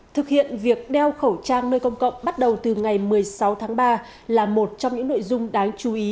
thực hiện việc đeo khẩu trang nơi công cộng bắt đầu từ ngày một mươi sáu tháng ba là một trong những nội dung đáng chú ý